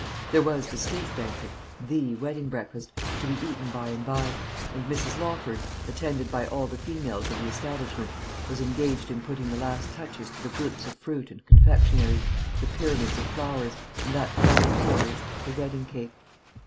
There was the state banquet the wedding breakfast to be eaten by and by; and Mrs. Lawford, attended by all the females of the establishment, was engaged in putting the last touches to the groups of fruit and confectionery, the pyramids of flowers, and that crowning glory, the wedding cake.